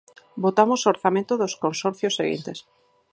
Votamos o orzamento dos consorcios seguintes.